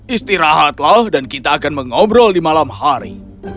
istirahatlah dan kita akan mengobrol di malam hari